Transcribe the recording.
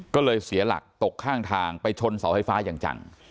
ก็เลยเสียหลักตกข้างทางไปชนเสาไฟฟ้าอย่างจัง